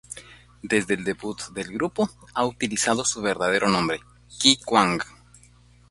Desde el debut del grupo, ha utilizado su verdadero nombre "Ki Kwang".